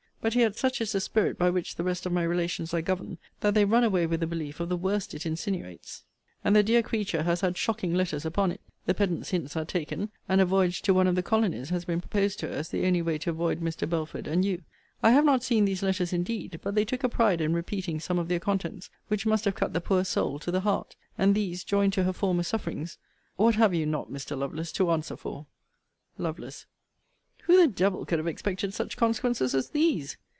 But yet, such is the spirit by which the rest of my relations are governed, that they run away with the belief of the worst it insinuates, and the dear creature has had shocking letters upon it; the pedant's hints are taken; and a voyage to one of the colonies has been proposed to her, as the only way to avoid Mr. Belford and you. I have not seen these letters indeed; but they took a pride in repeating some of their contents, which must have cut the poor soul to the heart; and these, joined to her former sufferings, What have you not, Mr. Lovelace, to answer for? Lovel. Who the devil could have expected such consequences as these?